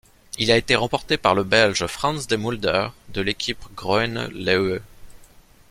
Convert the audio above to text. Il a été remporté par le Belge Frans De Mulder de l'équipe Groene Leeuw.